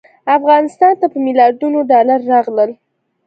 افغانستان ته په میلیاردونو ډالر راغلل.